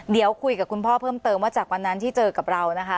เดี๋ยวคุยกับคุณพ่อเพิ่มเติมว่าจากวันนั้นที่เจอกับเรานะคะ